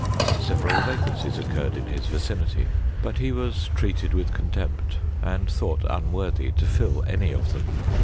Several vacancies occurred in his vicinity; but he was treated with contempt, and thought unworthy to £U any of them.